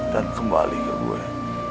dan kembali ke gue